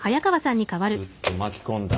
グッと巻き込んだ。